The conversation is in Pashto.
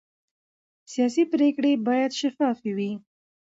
سیاسي پرېکړې باید شفافې وي